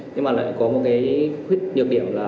nhưng mà lại có một cái khuyết nhược điểm là